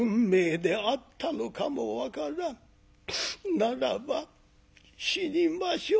ならば死にましょう。